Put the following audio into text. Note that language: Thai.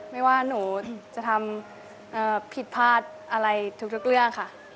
ไม่ว่าหนูจะทำผิดพลาดอะไรทุกเรื่องค่ะ